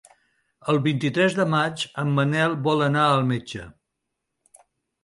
El vint-i-tres de maig en Manel vol anar al metge.